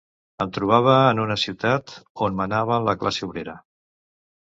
Em trobava en una ciutat on manava la classe obrera.